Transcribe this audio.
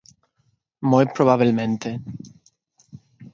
Moi probabelmente.